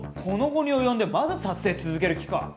この期に及んでまだ撮影続ける気か？